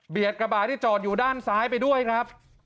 กระบาดที่จอดอยู่ด้านซ้ายไปด้วยครับ